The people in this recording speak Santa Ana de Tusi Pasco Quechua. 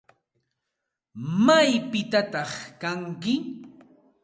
¿Maypitataq kanki?